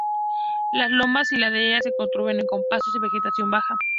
Las lomas y laderas se cubren con pastos y vegetación baja.